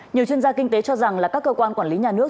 nhiều chuyên gia kinh tế cho rằng là các cơ quan quản lý nhà nước